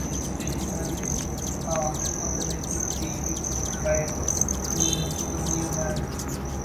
It was staged in Paris alternatively with the French version for a few months.